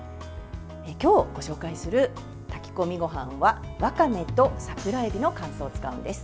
今日ご紹介する炊き込みご飯はわかめと桜えびの乾燥を使うんです。